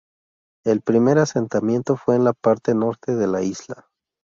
El primer asentamiento fue en la parte norte de la isla.